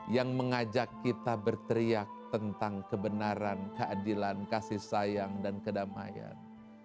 yang mengajak kita berteriak tentang kebenaran keadilan kasih sayang dan kedamaian